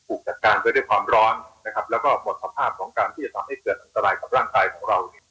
จัดการไปด้วยความร้อนนะครับแล้วก็หมดสภาพของการที่จะทำให้เกิดอันตรายกับร่างกายของเราเนี่ย